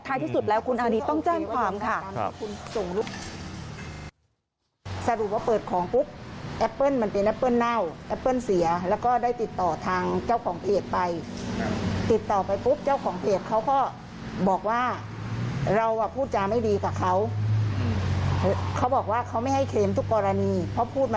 ที่สุดแล้วคุณอานีต้องแจ้งความค่ะ